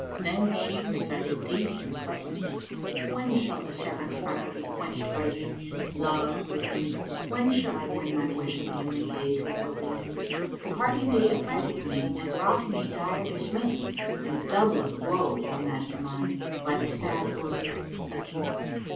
Then she recited these two couplets, "When shall the severance fire be quenched by union, love, with you? * When shall I win my wish of you and days that were renew? The parting day affrighted me and wrought me dire dismay * And doubleth woe, O master mine, by the sad word 'Adieu.'"